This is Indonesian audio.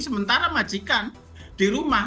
sementara majikan di rumah